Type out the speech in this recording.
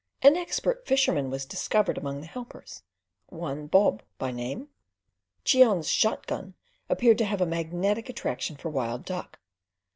An expert fisherman was discovered among the helpers—one Bob by name. Cheon's shot gun appeared to have a magnetic attraction for wild duck.